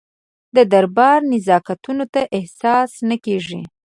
د دربار نزاکتونه ته احساس نه کېږي.